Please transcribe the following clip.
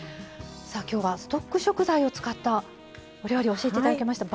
さあ今日はストック食材を使ったお料理を教えて頂きました。